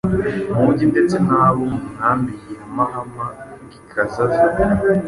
mujyi ndetse n’abo mu nkambi ya Mahama kikazaza